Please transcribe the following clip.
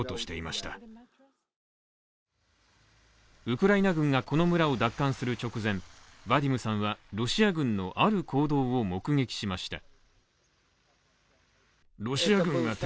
ウクライナ軍がこの村を奪還する直前、ヴァディムさんはロシア軍のある行動を目撃しました。